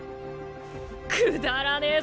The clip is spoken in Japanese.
くだらねえ